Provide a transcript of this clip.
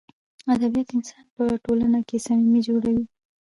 ادبیات انسان په ټولنه کښي صمیمي جوړوي.